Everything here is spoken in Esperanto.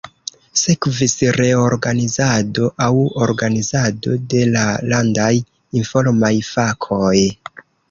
Sekvis reorganizado aŭ organizado de la landaj Informaj Fakoj.